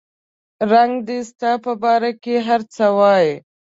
رنګ دې ستا په باره کې هر څه وایي